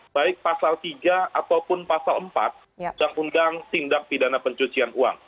baik pasal tiga ataupun pasal empat undang undang tindak pidana pencucian uang